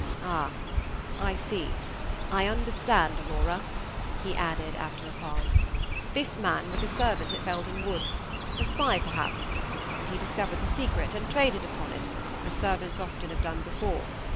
"Ah! I see I understand, Aurora," he added, after a pause. "This man was a servant at Felden Woods; a spy, perhaps; and he discovered the secret, and traded upon it, as servants often have done before.